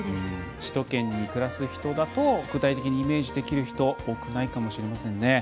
首都圏に住んでいる人だと具体的にイメージで切る人多くないかもしれませんね。